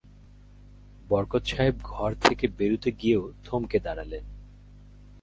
বরকত সাহেব ঘর থেকে বেরুতে গিয়েও থমকে দাঁড়ালেন।